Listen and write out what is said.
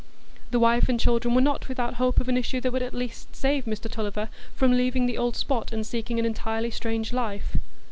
The wife and children were not without hope of an issue that would at least save Mr Tulliver from leaving the old spot, and seeking an entirely strange life.